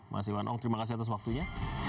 mas iwan ong terima kasih atas waktunya